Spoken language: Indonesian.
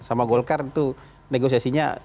sama golkar itu negosiasinya